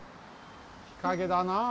日陰だなあ。